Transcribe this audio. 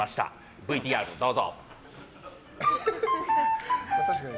ＶＴＲ、どうぞ。